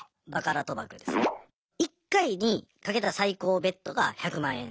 １回に賭けた最高ＢＥＴが１００万円。